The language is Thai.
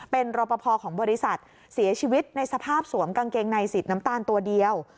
เป็นรอปภของบริษัทเสียชีวิตในสภาพสวมกางเกงในสีดน้ำตาลตัวเดียว